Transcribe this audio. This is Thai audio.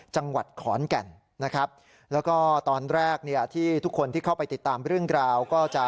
จังหวัดขอนแก่นนะครับแล้วก็ตอนแรกเนี่ยที่ทุกคนที่เข้าไปติดตามเรื่องราวก็จะ